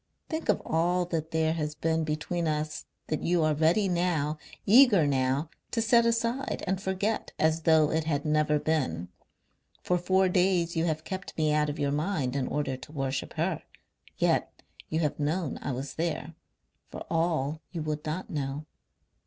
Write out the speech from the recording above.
Think of all that there has been between us that you are ready now, eager now to set aside and forget as though it had never been. For four days you have kept me out of your mind in order to worship her. Yet you have known I was there for all you would not know.